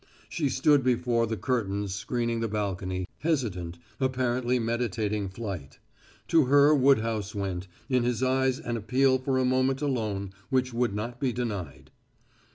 She stood before the curtains screening the balcony, hesitant, apparently meditating flight. To her Woodhouse went, in his eyes an appeal for a moment alone which would not be denied.